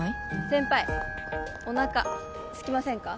先輩おなかすきませんか？